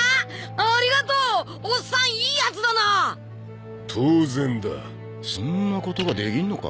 ありがとうオッサンいいヤツだな当然だそんなことができんのか？